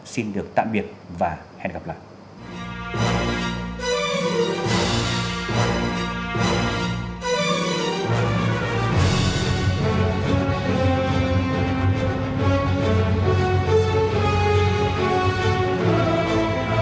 xin được tạm biệt và hẹn gặp lại